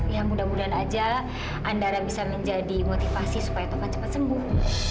ya mudah mudahan aja andara bisa menjadi motivasi supaya toka cepat sembuh